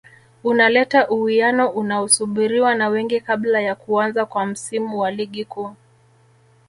unaleta uwiano unaosubiriwa na wengi kabla ya kuanza kwa msimu wa ligi kuu